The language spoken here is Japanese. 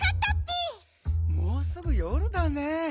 もうすぐよるだねえ。